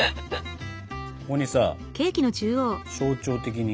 ここにさ象徴的に。